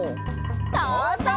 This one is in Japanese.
「どうぞう！」